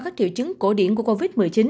các triệu chứng cổ điển của covid một mươi chín